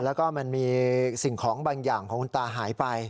แล้วก็มันมีสิ่งของบางอย่างของคุณตาหายไป